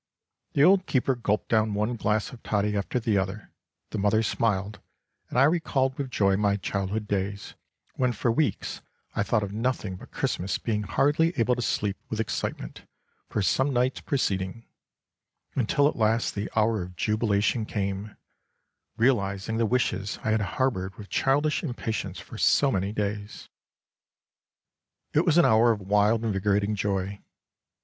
The old keeper gulped down one glass of toddy after the other, the mother smiled, and I recalled with joy my childhood days, when for weeks I thought of nothing but Christmas, being hardly able to sleep with excitement for some nights preceding ; until at last the hour of jubilation came, realiz ing the wishes I had harbored with childish impatience for so many days. It was an hour of wild invigorating joy.